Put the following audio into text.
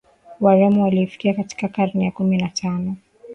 wareno walifika katika karne ya kumi na tano